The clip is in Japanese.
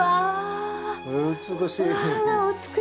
お美しい。